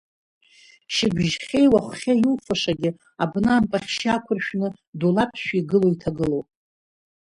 Шьыбжьхьеи уаххьеи иуфашагьы абна ампахьшьы ақәыршәны дулаԥшәа игылоу иҭагылоуп.